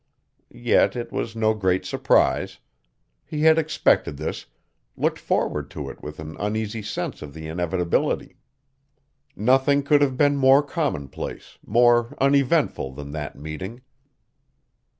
Yet it was no great surprise. He had expected this, looked forward to it with an uneasy sense of its inevitability. Nothing could have been more commonplace, more uneventful than that meeting.